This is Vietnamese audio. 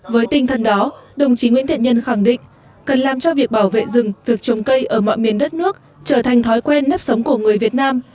với tinh thần đó đồng chí nguyễn thiện nhân khẳng định cần làm cho việc bảo vệ rừng việc trồng cây ở mọi miền đất nước trở thành thói quen nếp sống của người việt nam